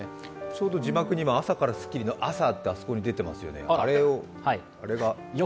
ちょうど字幕で「朝からスッキリ」の「朝」ってあそこに出てますよね。